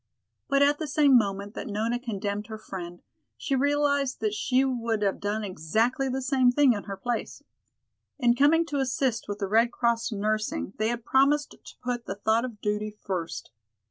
But at the same moment that Nona condemned her friend, she realized that she would have done exactly the same thing in her place. In coming to assist with the Red Cross nursing they had promised to put the thought of duty first.